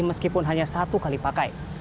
meskipun hanya satu kali pakai